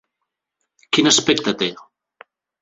Quin aspecte té?